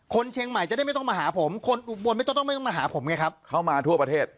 คนเชียงใหม่จะได้ไม่ต้องมาหาผมคนอุบลไม่ต้องไม่ต้องมาหาผมไงครับเข้ามาทั่วประเทศ